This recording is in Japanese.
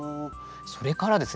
それからですね